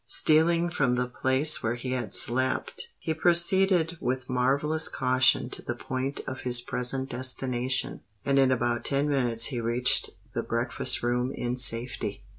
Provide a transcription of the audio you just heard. Stealing from the place where he had slept, he proceeded with marvellous caution to the point of his present destination; and in about ten minutes he reached the breakfast room in safety.